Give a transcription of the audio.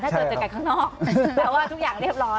ถ้าเจอเจอกันข้างนอกแปลว่าทุกอย่างเรียบร้อย